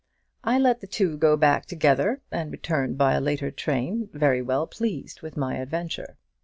I let the two go back together, and returned by a later train, very well pleased with my adventure.